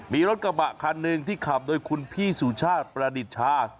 มีรถกระบะคันหนึ่งที่ขับโดยคุณพี่สุชาติประดิษฐชา